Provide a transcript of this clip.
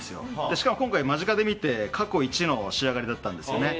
しかも今回、間近で見て過去一の仕上がりだったんですよね。